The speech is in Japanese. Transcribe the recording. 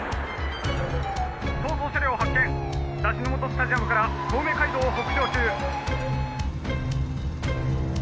逃走車両発見出汁の素スタジアムから小梅街道を北上中。